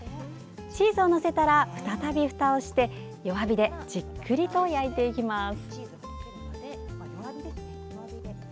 チーズを載せたら再び、ふたをして弱火でじっくりと焼いていきます。